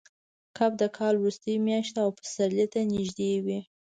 کب د کال وروستۍ میاشت ده او پسرلي ته نږدې وي.